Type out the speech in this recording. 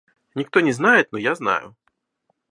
Никто не знает, но я знаю.